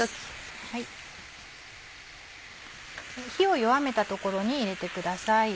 火を弱めたところに入れてください。